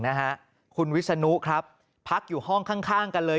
นะฮะคุณวิศนุครับพักอยู่ห้องข้างข้างกันเลย